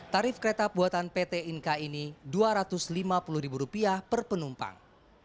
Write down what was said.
tarif kereta buatan pt inka ini rp dua ratus lima puluh per penumpang